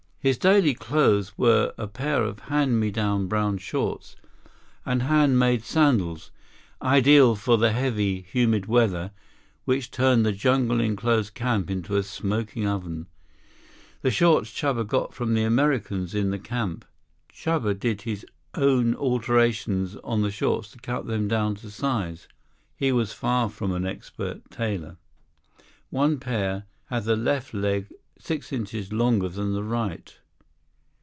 56 His daily clothes were a pair of hand me down brown shorts and hand made sandals, ideal for the heavy, humid weather which turned the jungle enclosed camp into a smoking oven. The shorts Chuba got from the Americans in the camp. Chuba did his own alterations on the shorts to cut them down to his size. He was far from an expert tailor. One pair had the left leg six inches longer than the right.